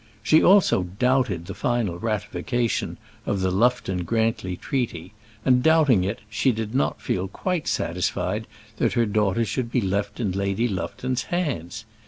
She also doubted the final ratification of that Lufton Grantly treaty, and, doubting it, she did not feel quite satisfied that her daughter should be left in Lady Lufton's hands.